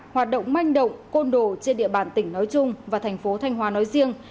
hoạt động manh động côn đồ trên địa bàn tỉnh nói chung và thành phố thanh hóa nói riêng